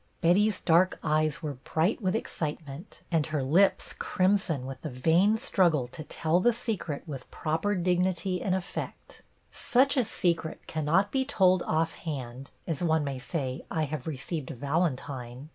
Betty's dark eyes were bright with excite ment, and her lips crimson with the vain struggle to tell The Secret with proper dig THE SECRET 23 nity and effect. Such a secret cannot be told offhand, as one may say " I have re ceived a valentine."